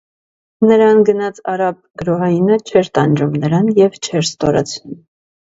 Նրան գնած արաբ գրոհայինը չէր տանջում նրան և չէր ստորացնում։